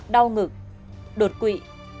đau ngực đột quỵ